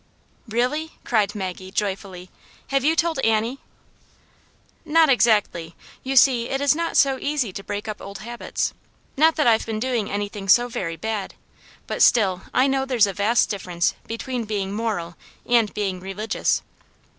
"Really?" cried Maggie, joyfully. "Have you told Annie ?" 204 Awiit Janets Hero, " Not exactly. You see, it is not so easy to break up old habits. Not that I've been doing anything so very bad. But still I know there's a vast differ ence between being moral and being religious."